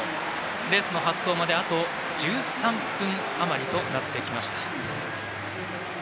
レースの発走まであと１３分あまりとなってきました。